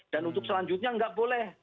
dan untuk selanjutnya nggak boleh